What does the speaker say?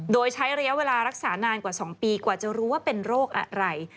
โดยใช้ระยะเวลารักษานานกว่า๒ปีกว่าจะรู้ว่าเป็นโรคอะไร